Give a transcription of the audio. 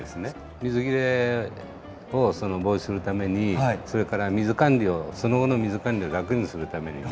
水切れを防止するためにそれからその後の水管理を楽にするためにね。